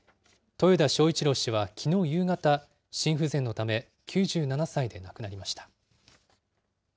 豊田章一郎氏はきのう夕方、心不全のため、９７歳で亡くなりました。